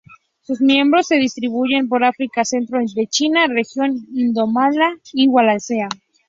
Sus miembros se distribuyen por África, centro de China, región indomalaya y la Wallacea.